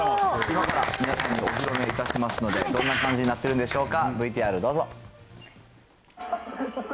今から皆さんにお披露目いたしますので、どんな感じになってるんでしょうか。